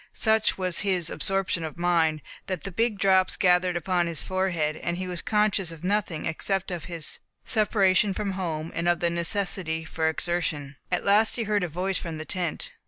Such was his absorption of mind, that the big drops gathered upon his forehead, and he was conscious of nothing except of his separation from home, and of the necessity for exertion. At last he heard a voice from the tent.